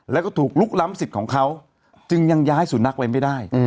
แล้วก็ถูกลุกล้ำสิทธิ์ของเขาจึงยังย้ายสุนัขไว้ไม่ได้